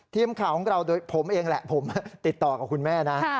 ทีมข่าวของเราโดยผมเองแหละผมติดต่อกับคุณแม่นะ